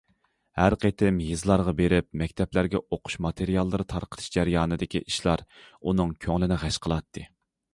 ھەر قېتىم يېزىلارغا بېرىپ مەكتەپلەرگە ئوقۇش ماتېرىياللىرى تارقىتىش جەريانىدىكى ئىشلار ئۇنىڭ كۆڭلىنى غەش قىلاتتى.